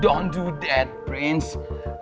jangan lakukan itu prince